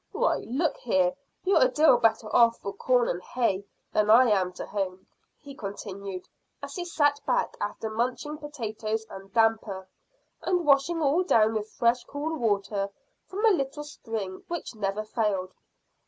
Why, look here, you're a deal better off for corn and hay than I am to home," he continued, as he sat back after munching potatoes and damper, and washing all down with fresh cool water from a little spring which never failed.